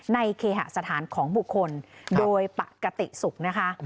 เคหสถานของบุคคลโดยปกติสุขนะคะ